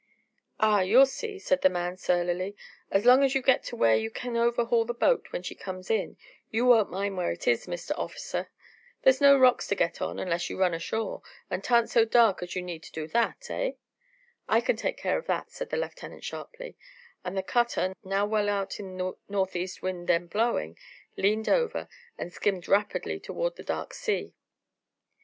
"Ah, you'll see," said the man surlily. "As long as you get to where you can overhaul the boat when she comes in, you won't mind where it is, Mister Orficer. There's no rocks to get on, unless you run ashore, and 'tarn't so dark as you need do that, eh?" "I can take care of that," said the lieutenant sharply; and the cutter, now well out in the north east wind then blowing, leaned over, and skimmed rapidly towards the dark sea.